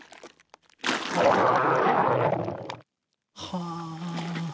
「はあ」